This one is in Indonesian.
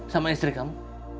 sama istri kamu